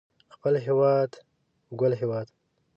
خپل هيواد ګل هيواد